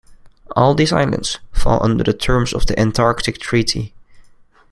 All these islands fall under the terms of the Antarctic Treaty.